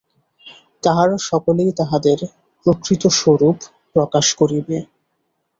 তাহারা সকলেই তাহাদের প্রকৃত স্বরূপ প্রকাশ করিবে।